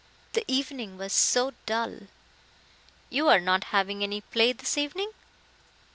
"The evening was so dull." "You are not having any play this evening?"